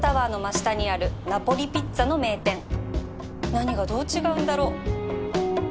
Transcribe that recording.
何がどう違うんだろう